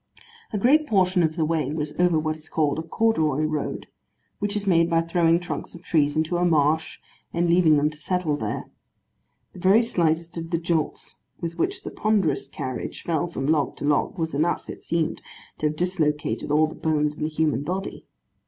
A great portion of the way was over what is called a corduroy road, which is made by throwing trunks of trees into a marsh, and leaving them to settle there. The very slightest of the jolts with which the ponderous carriage fell from log to log, was enough, it seemed, to have dislocated all the bones in the human body.